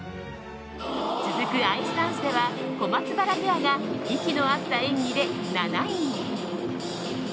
続くアイスダンスでは小松原ペアが息の合った演技で７位に。